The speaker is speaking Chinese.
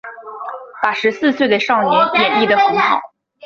把十四岁的少年演绎的很好